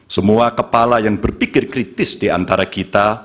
semua kepala yang berpikir kritis diantara kita